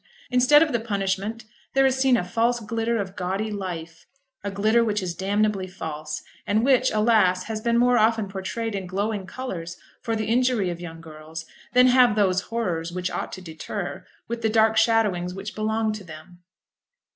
Instead of the punishment there is seen a false glitter of gaudy life, a glitter which is damnably false, and which, alas, has been more often portrayed in glowing colours, for the injury of young girls, than have those horrors, which ought to deter, with the dark shadowings which belong to them.